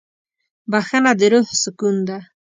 بښنه د روح سکون ده.